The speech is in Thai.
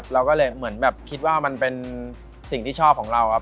เราก็เลยเหมือนแบบคิดว่ามันเป็นสิ่งที่ชอบของเราครับ